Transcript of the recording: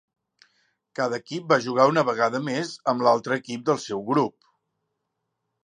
Cada equip va jugar una vegada més amb l'altre equip del seu grup.